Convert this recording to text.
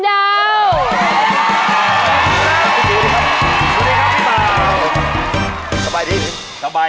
ด้วยค่ะ